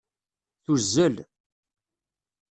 Tuzzel.